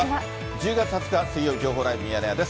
１０月２０日水曜日、情報ライブミヤネ屋です。